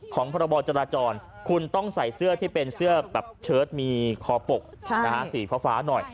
พรบจราจรคุณต้องใส่เสื้อที่เป็นเสื้อแบบเชิดมีคอปกสีฟ้าหน่อย